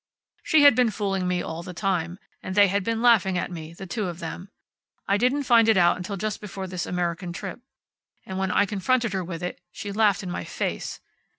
She had been fooling me all the time, and they had been laughing at me, the two of them. I didn't find it out until just before this American trip. And when I confronted her with it she laughed in my face.